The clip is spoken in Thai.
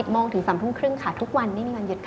โมงถึง๓ทุ่มครึ่งค่ะทุกวันไม่มีวันหยุดค่ะ